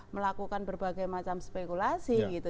melakukan berbagai macam spekulasi gitu